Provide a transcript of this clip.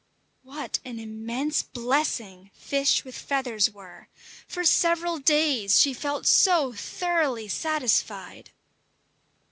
What an immense blessing fish with feathers were! For several days she felt so thoroughly satisfied!